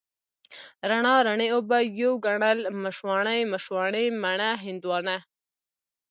رڼا، رڼې اوبه، يو ګڼل، مشواڼۍ، مشواڼې، مڼه، هندواڼه،